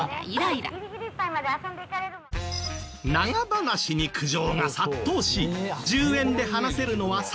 長話に苦情が殺到し１０円で話せるのは３分だけに。